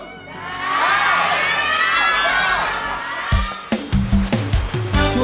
ได้